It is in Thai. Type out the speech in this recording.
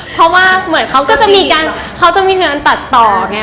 เพราะว่าเหมือนเขาก็จะมีเงินตัดต่อไง